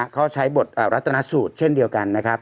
เขาใช้บทรัฐนาสูตรเช่นเดียวกันนะครับ